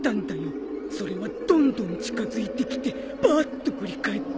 それがどんどん近づいてきてぱっと振り返ったら。